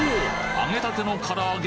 揚げたてのから揚げ